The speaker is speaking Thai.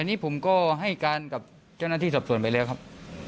อันนี้ผมก็ให้การกับเจ้าหน้าที่สอบส่วนไปแล้วครับ